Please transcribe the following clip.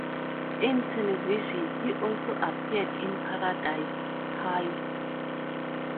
In television, he also appeared in "Paradise Heights".